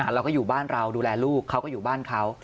เราก็อยู่บ้านเราดูแลลูกเขาก็อยู่บ้านเขา